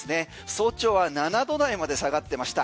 早朝は７度台まで下がってました。